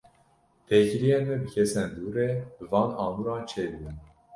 Têkiliyên me bi kesên dûr re, bi van amûran çêdibin.